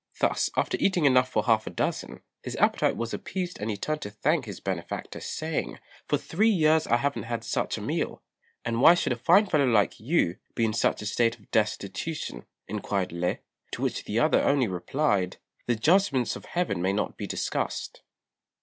Thus, after eating enough for half a dozen, his appetite was appeased and he turned to thank his benefactor, saying, "For three years I haven't had such a meal." "And why should a fine fellow like you be in such a state of destitution?" inquired Lê; to which the other only replied, "The judgments of heaven may not be discussed."